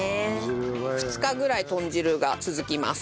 ２日ぐらい豚汁が続きます。